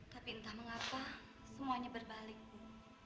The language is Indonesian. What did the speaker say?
tapi entah mengapa semuanya berbalik bu